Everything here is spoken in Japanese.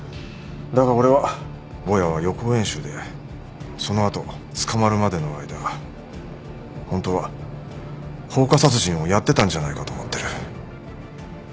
だが俺はぼやは予行演習でその後捕まるまでの間本当は放火殺人をやってたんじゃないかと思ってる。